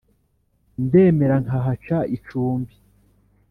Ndemera nkahaca icumbi.